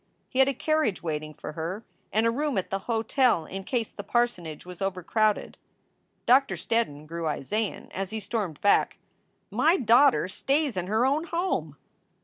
He had a carriage waiting for her, and a room at the hotel in case the parsonage was over crowded. Doctor Steddon grew Isaian as he stormed back: "My daughter stays in her own home!"